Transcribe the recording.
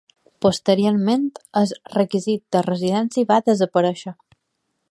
Posteriorment, el requisit de residència va desaparèixer.